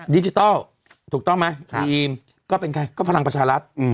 ดิจิทัลถูกต้องไหมทีมก็เป็นใครก็พลังประชารัฐ